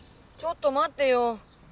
ちょっと待ってよ。